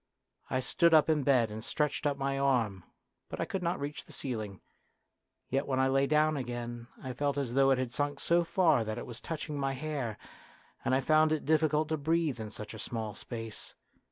I stood up in bed and stretched up my arm, but I could not reach the ceiling ; yet when I lay 4 34 A DRAMA OF YOUTH down again I felt as though it had sunk so far that it was touching my hair, and I found it difficult to breathe in such a small space.